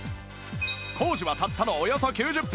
工事はたったのおよそ９０分